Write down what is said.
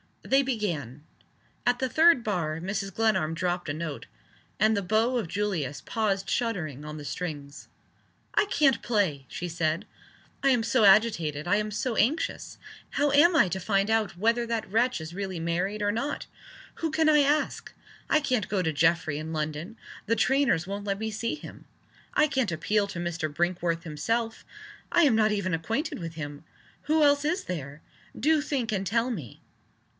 They began. At the third bar Mrs. Glenarm dropped a note and the bow of Julius paused shuddering on the strings. "I can't play!" she said. "I am so agitated; I am so anxious. How am I to find out whether that wretch is really married or not? Who can I ask? I can't go to Geoffrey in London the trainers won't let me see him. I can't appeal to Mr. Brinkworth himself I am not even acquainted with him. Who else is there? Do think, and tell me!"